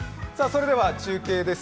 それでは中継です。